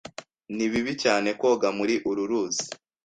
Ni bibi cyane koga muri uru ruzi.